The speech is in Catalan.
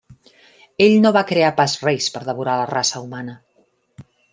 Ell no va crear pas reis per devorar la raça humana.